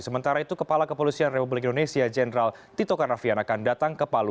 sementara itu kepala kepolisian republik indonesia jenderal tito karnavian akan datang ke palu